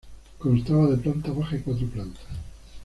Constaba de planta baja y cuatro plantas.